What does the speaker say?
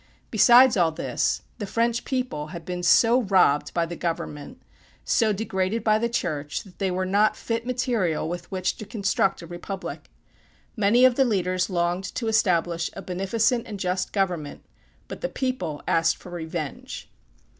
Besides all this, the French people had been so robbed by the government, so degraded by the Church, that they were not fit material with which to construct a republic. Many of the leaders longed to establish a beneficent and just government, but the people asked for revenge.